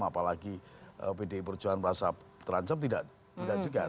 apalagi pdi perjuangan merasa terancam tidak juga